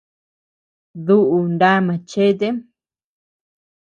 Duʼu ná machetem?